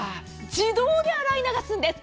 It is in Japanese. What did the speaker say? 自動で洗い流すんです。